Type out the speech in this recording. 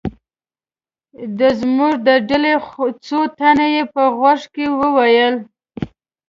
د زموږ د ډلې څو تنه یې په غوږ کې و ویل.